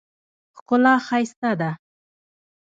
ښکلا ښایسته ده.